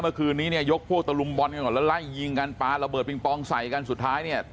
เมื่อคืนนี้เนี่ยยกพวกตะลุมบอลกันก่อนแล้วไล่ยิงกันปลาระเบิดปิงปองใส่กันสุดท้ายเนี่ย